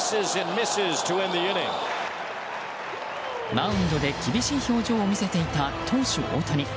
マウンドで厳しい表情を見せていた、投手・大谷。